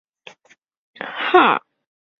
出生于台湾新北市土城区。